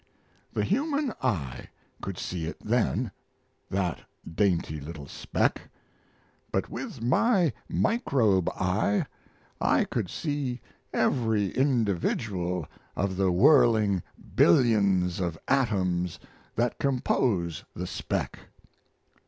The human eye could see it then that dainty little speck. But with my microbe eye I could see every individual of the whirling billions of atoms that compose the speck.